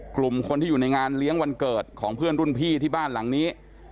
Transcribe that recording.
กลุ่มคนที่อยู่ในงานเลี้ยงวันเกิดของเพื่อนรุ่นพี่ที่บ้านหลังนี้